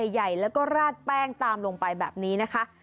ใหญ่แล้วก็ราดแป้งตามลงไปแบบนี้นะคะ